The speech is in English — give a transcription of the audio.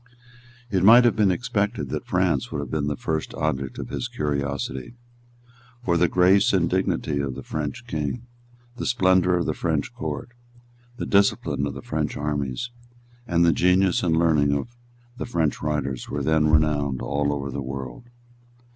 It might have been expected that France would have been the first object of his curiosity. For the grace and dignity of the French King, the splendour of the French Court, the discipline of the French armies, and the genius and learning of the French writers, were then renowned all over the world.